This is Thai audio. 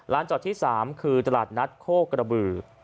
จอดที่๓คือตลาดนัดโคกระบือ